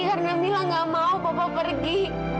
karena mila gak mau papa pergi